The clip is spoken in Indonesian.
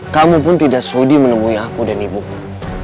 kamu pun tidak shudi menemui aku dan ibuku